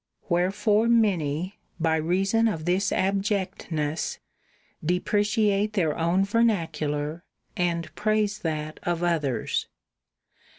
Wherefore many, by reason . of this abjectness, depreciate their own vernacular and praise that of others.